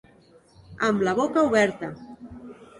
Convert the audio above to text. Amb la boca oberta.